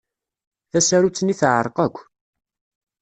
Tasarut-nni teɛreq akk.